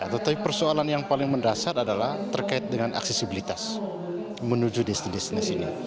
tetapi persoalan yang paling mendasar adalah terkait dengan aksesibilitas menuju bisnis ini